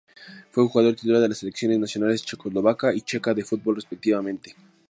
Fue jugador titular de las selecciones nacionales checoslovaca y checa de fútbol, respectivamente.